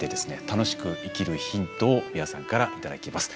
楽しく生きるヒントを美輪さんから頂きます。